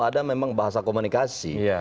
ada memang bahasa komunikasi